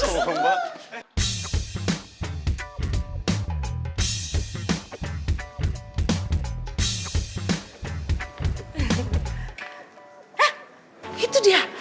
eh itu dia